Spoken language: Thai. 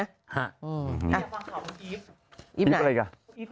ยีฟเรียกอะ